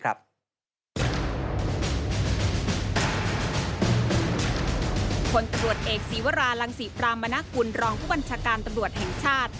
อันตรวจเอ็กซีวาราหลังศรีปรามมนักกุลรองผู้บัญชาการตำรวจแห่งชาติ